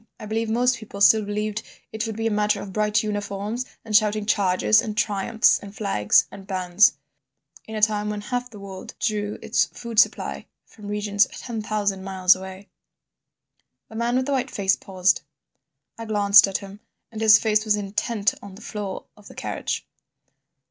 I believe most people still believed it would be a matter of bright uniforms and shouting charges and triumphs and flags and bands—in a time when half the world drew its food supply from regions ten thousand miles away—" The man with the white face paused. I glanced at him, and his face was intent on the floor of the carriage.